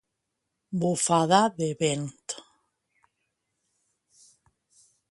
Bufada de vent.